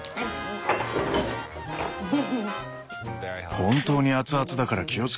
本当に熱々だから気をつけて。